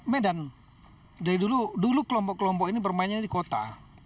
medan dari dulu dulu kelompok kelompok ini bermainnya di kota